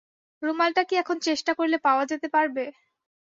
রুমালটা কি এখন চেষ্টা করলে পাওয়া যেতে পারবে?